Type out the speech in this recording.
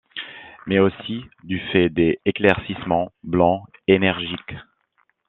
Mais aussi du fait des éclaircissements blancs énergiques.